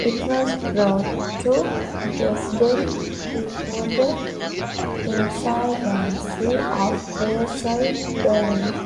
It was brought to Dresden before the insolvency of Fairchild Dornier.